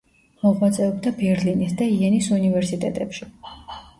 მოღვაწეობდა ბერლინის და იენის უნივერსიტეტებში.